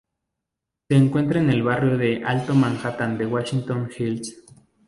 Se encuentra en el barrio del Alto Manhattan de Washington Heights.